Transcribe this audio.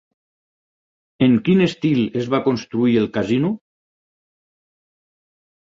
En quin estil es va construir el casino?